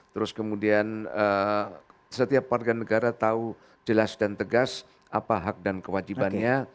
terus kemudian setiap warga negara tahu jelas dan tegas apa hak dan kewajibannya